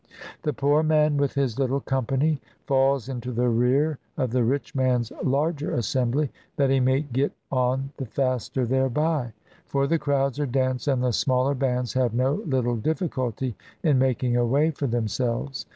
The poor man, with his little company, falls into the rear of the rich man's larger assembly, that he may get on the faster thereby; for the crowds are dense, and the smaller bands have no little diflQculty in making a way for themselves.